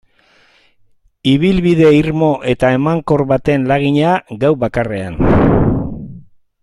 Ibilbide irmo eta emankor baten lagina, gau bakarrean.